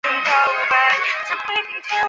最终回归到自然的抒情派画风。